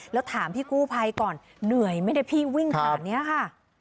แล้วถามพี่กู้ภัยก่อนเหนื่อยไหมเนี่ยพี่วิ่งขนาดนี้ค่ะ